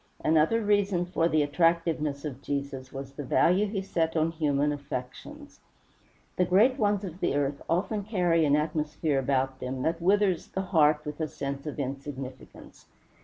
Another reason for the attractiveness of Jesus was the value he set on human affections. The great ones of the earth often carry an atmosphere about them that withers the heart with a sense of insignificance.